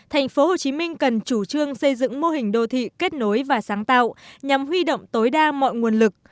thành phố hồ chí minh cần chủ trương xây dựng mô hình đô thị kết nối và sáng tạo nhằm huy động tối đa mọi nguồn lực